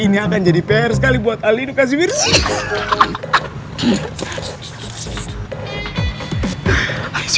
ini akan jadi pr sekali buat alih hidup kasih virus